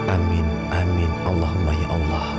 amin amin allahumma ya allah